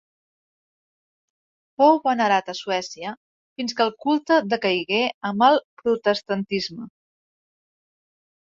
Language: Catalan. Fou venerat a Suècia fins que el culte decaigué amb el protestantisme.